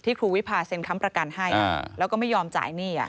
ครูวิพาเซ็นค้ำประกันให้แล้วก็ไม่ยอมจ่ายหนี้